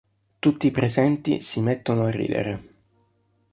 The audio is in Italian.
Tutti i presenti si mettono a ridere.